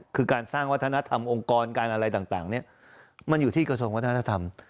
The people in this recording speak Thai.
คือการสร้างวัฒนธรรมองค์กรการอะไรต่างเนี่ยมันอยู่ที่กระทรวงวัฒนธรรม